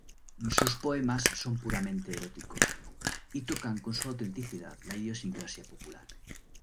Sus poemas son puramente eróticos y tocan con su autenticidad la idiosincrasia popular.